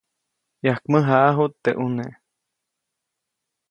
Yajkmäjaʼajuʼt teʼ ʼune.